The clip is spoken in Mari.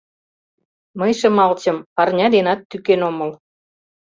Мый Шымалчым парня денат тӱкен омыл.